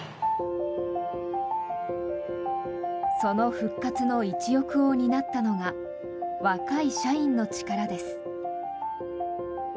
その復活の一翼を担ったのが若い社員の力です。